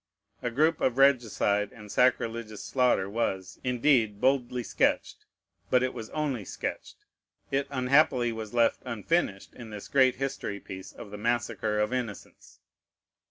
A group of regicide and sacrilegious slaughter was, indeed, boldly sketched, but it was only sketched. It unhappily was left unfinished, in this great history piece of the massacre of innocents.